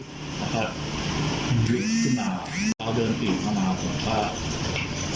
อืมเอาใช้ใช้เท้าเตะเตะไปหลายทีไหมใช้เท้ายันทีอ่า